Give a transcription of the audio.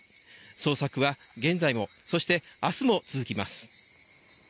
捜索は現在もそして明日も続きます。